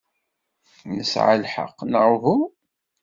Nesɛa lḥeqq, neɣ uhu?